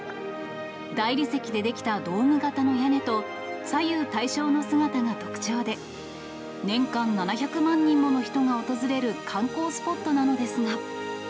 大理石で出来たドーム型の屋根と、左右対称の姿が特徴で、年間７００万人もの人が訪れる観光スポットなのですが。